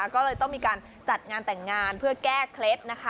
ก็เลยต้องมีการจัดงานแต่งงานเพื่อแก้เคล็ดนะคะ